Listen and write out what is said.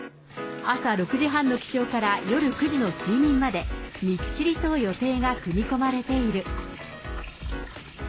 朝６時半の起床から夜９時の睡眠まで、みっちりと予定が組み込まれている。